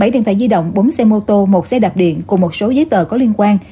bảy điện thoại di động bốn xe mô tô một xe đạp điện cùng một số giấy tờ có liên quan